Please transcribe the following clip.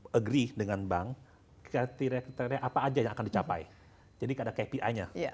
untuk agree dengan bank kriteria kriteria apa aja yang akan dicapai jadi ada kpi nya